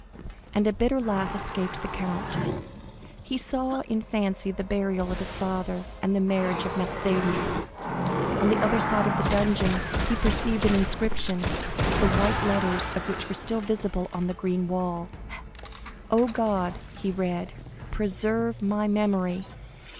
and a bitter laugh escaped the count. He saw in fancy the burial of his father, and the marriage of Mercédès. On the other side of the dungeon he perceived an inscription, the white letters of which were still visible on the green wall: "'Oh, God!'" he read, "'_preserve my memory!